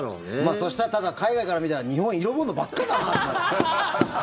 そしたら、ただ海外から見たら日本、色物ばっかだなってなる。